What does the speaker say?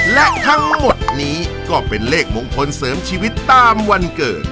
และทั้งหมดนี้ก็เป็นเลขมงคลเสริมชีวิตตามวันเกิด